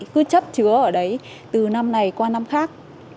cứ chấp chứa ở đấy từ năm này qua năm khác